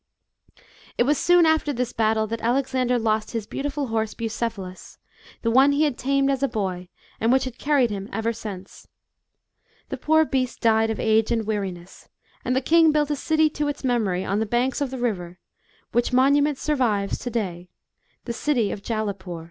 It was soon after this battle, that Alexander lost his beautiful horse Bucephalus, the one lie had tamed as a boy, and which had carried him ever since. The poor beast died of age and weariness, and the king built a city, to its memory, on the banks of the river; which monument survives to day the city of Jalalpur.